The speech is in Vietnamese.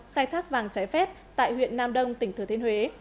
khai thác vàng trái phép tại huyện nam đông tỉnh thừa thiên huế